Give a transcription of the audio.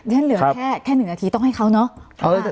อ่าแล้วเหลือแค่๑นาทีต้องให้เขาเนาะ